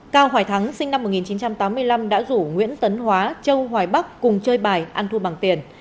cao hoài thắng sinh năm một nghìn chín trăm tám mươi năm đã rủ nguyễn tấn hóa châu hoài bắc cùng chơi bài ăn thua bằng tiền